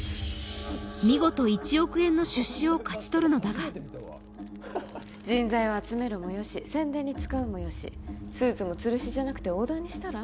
見事１億円の出資を勝ち取るのだが人材を集めるもよし宣伝に使うもよしスーツもつるしじゃなくてオーダーにしたら？